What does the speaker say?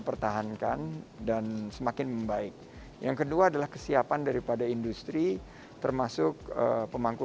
pertahankan dan semakin membaik yang kedua adalah kesiapan daripada industri termasuk pemangku